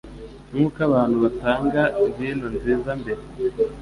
Nkuko abantu batanga vino nziza mbere,